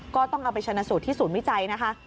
ก็ต้องเอาไปชนะสูตรที่ศูนย์วิจัยนะคะ